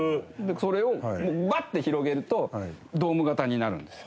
それをバッて広げるとドーム形になるんですよ。